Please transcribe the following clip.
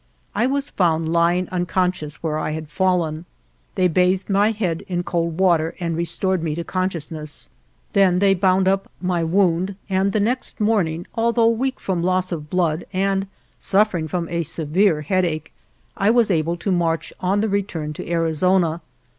I was found lying unconscious where I had fallen. They bathed my head in cold water and restored me to consciousness. Then they bound up 60 UNDER DIFFICULTIES my wound and the next morning, although weak from loss of blood and suffering from a severe headache, I was able to march on the return to Arizona.